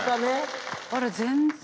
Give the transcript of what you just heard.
あら全然。